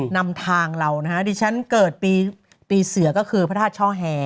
นำทางเรานะฮะดิฉันเกิดปีเสือก็คือพระธาตุช่อแห่